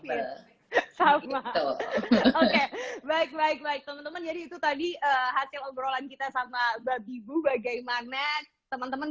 oke baik baik baik temen temen jadi itu tadi hati obrolan kita sama babi bu bagaimana teman teman